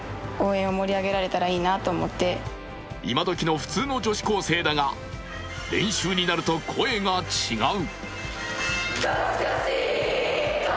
今どきの普通の女子高生だが練習になると声が違う。